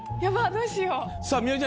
どうしよう。